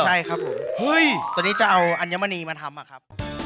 ตัวนี้จะเอาอัญมณีมาทำ